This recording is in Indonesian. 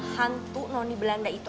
hantu noni belanda itu